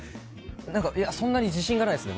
そんなに自信がないですね